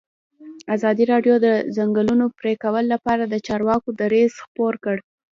ازادي راډیو د د ځنګلونو پرېکول لپاره د چارواکو دریځ خپور کړی.